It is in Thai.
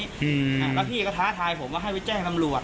แล้วพี่ก็ท้าทายผมว่าให้ไปแจ้งตำรวจ